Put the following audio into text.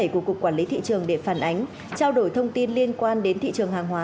của cục quản lý thị trường để phản ánh trao đổi thông tin liên quan đến thị trường hàng hóa